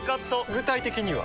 具体的には？